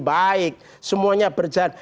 baik semuanya berjalan